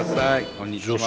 こんにちは。